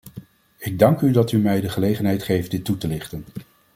Ik dank u dat u mij de gelegenheid geeft dit toe te lichten.